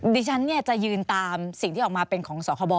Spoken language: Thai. ดิฉันจะยืนตามสิ่งที่ออกมาเป็นของสคบ